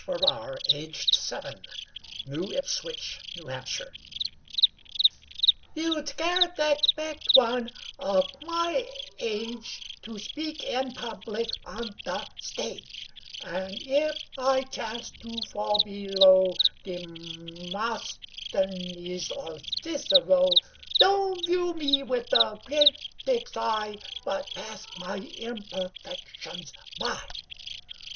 Farrar, aged seven, New Ipswich, New Hampshire.) YOU'D scarce expect one of my age To speak in public on the stage, And if I chance to fall below Demosthenes or Cicero, Don't view me with a critic's eye, But pass my imperfections by.